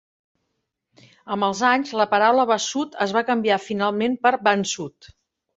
Amb els anys, la paraula "Basud" es va canviar finalment per "Bansud".